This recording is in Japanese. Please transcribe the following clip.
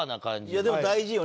いやでも大事よね